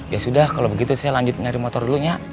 ya sudah kalau begitu saya lanjut nyari motor dulu ya